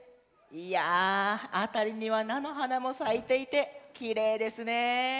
いやあたりにはなのはなもさいていてきれいですね。